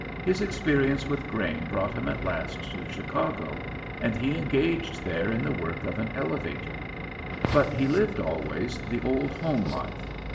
His experience with grain brought him at last to Chicago, and he engaged there in the work of an elevator. But he lived always the old home life.